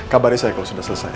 kabari saya kalau sudah selesai